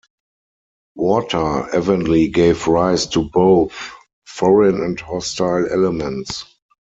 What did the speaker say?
Water evenly gave rise to both foreign and hostile elements.